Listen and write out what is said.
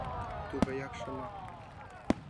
Тугаяк шыма.